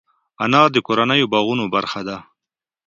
انار د کورنیو باغونو برخه ده.